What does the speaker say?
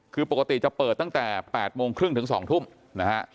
คือปกติจะเปิดตั้งแต่๘โมงครึ่งถึง๒ทุ่มนะฮะ